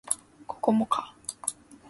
ここもか